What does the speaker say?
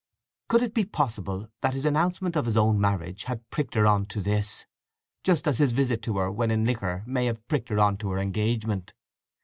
Could it be possible that his announcement of his own marriage had pricked her on to this, just as his visit to her when in liquor may have pricked her on to her engagement?